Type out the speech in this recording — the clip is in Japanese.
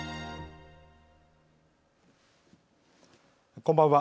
こんばんは。